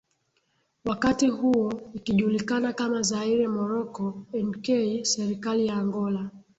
wakati huo ikijulikana kama Zaire Moroko nk Serikali ya Angola